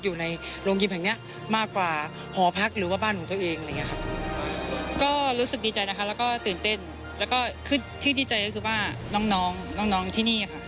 ก็รู้สึกดีใจนะคะแล้วก็ตื่นเต้นแล้วก็คือที่ดีใจก็คือว่าน้องน้องน้องน้องที่นี่ค่ะ